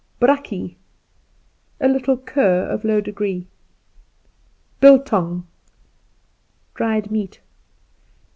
Brakje A little cur of low degree. Bultong Dried meat.